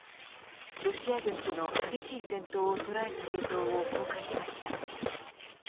ロシア軍との激しい戦闘を捉えた映像を公開しました。